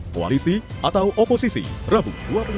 koalisi atau oposisi rabu dua ribu dua puluh